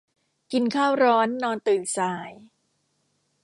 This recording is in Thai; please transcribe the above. กินข้าวร้อนนอนตื่นสาย